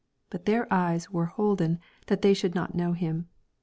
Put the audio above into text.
16 But iheir eyes were holden that they should not know him.